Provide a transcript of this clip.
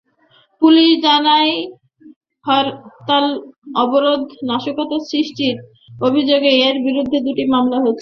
Police জানায়, হরতাল-অবরোধে নাশকতা সৃষ্টির অভিযোগে তাঁর বিরুদ্ধে দুটি মামলা রয়েছে।